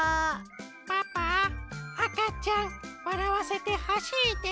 パパあかちゃんわらわせてほしいですぷっ。